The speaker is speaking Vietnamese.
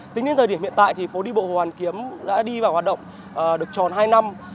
tính đến thời điểm hiện tại thì phố đi bộ hồ hoàn kiếm đã đi vào hoạt động được tròn hai năm